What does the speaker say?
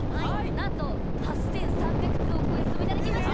なんと８３００通を超えるメッセージをいただきました。